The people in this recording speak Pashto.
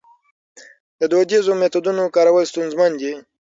د دودیزو میتودونو کارول ستونزمن دي.